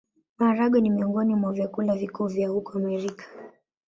Maharagwe ni miongoni mwa vyakula vikuu vya huko Amerika.